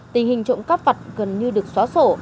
tình hình trộm cắp vặt gần như được xóa sổ